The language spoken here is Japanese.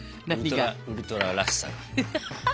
ウルトラらしさが。